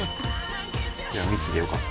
ミチでよかった。